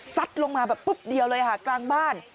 ลงมาแบบปุ๊บเดียวเลยค่ะกลางบ้าน